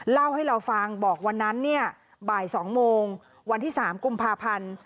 เล่าให้เราฟังบอกวันนั้นเนี่ยบ่าย๒โมงวันที่๓กุมภาพันธ์